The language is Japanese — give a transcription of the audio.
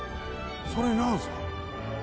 それ何すか？